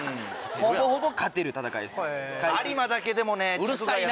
ほぼほぼ勝てる戦いです。